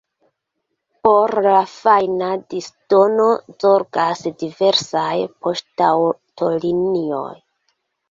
Por la fajna disdono zorgas diversaj poŝtaŭtolinioj.